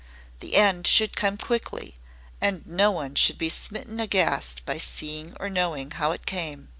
The end should come quickly, and no one should be smitten aghast by seeing or knowing how it came.